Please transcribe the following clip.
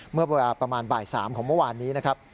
เมื่อเวลาประมาณบ่าย๓ของเมื่อวานนี้นะครับ